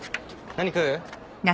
何食う？